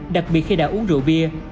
đặc biệt khi đã uống rượu bia